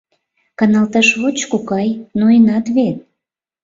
Каналташ воч, кокай, ноенат вет.